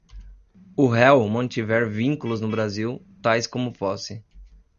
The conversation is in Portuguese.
o réu mantiver vínculos no Brasil, tais como posse